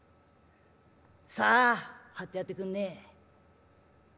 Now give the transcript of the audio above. さあ張ってやってくんねえ。